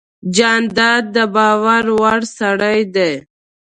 جانداد د باور وړ سړی دی.